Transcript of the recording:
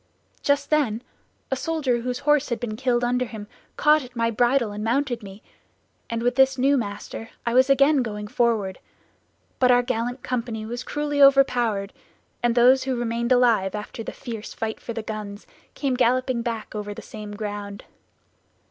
Just then a soldier whose horse had been killed under him caught at my bridle and mounted me, and with this new master I was again going forward; but our gallant company was cruelly overpowered, and those who remained alive after the fierce fight for the guns came galloping back over the same ground.